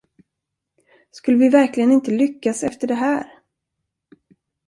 Skulle vi verkligen inte lyckas efter det här?